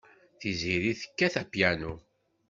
Tiziri tekkat apyanu.